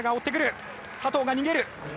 佐藤が逃げる。